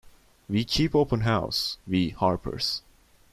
We keep open house, we Harpers.